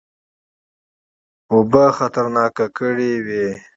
اوبه خطرناکه کړي وې.